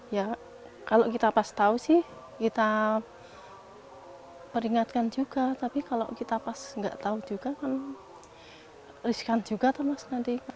ya kalau kita pas tahu sih kita peringatkan juga tapi kalau kita pas nggak tahu juga kan riskan juga atau mas nanti